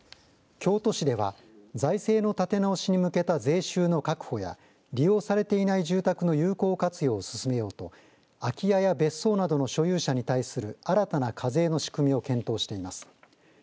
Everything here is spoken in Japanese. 京都市では財政の立て直しに向けた税収の確保や利用されていない住宅の有効活用を進めようと空き家や別荘などの所有者に対する新たな課税の仕組みを検討しています。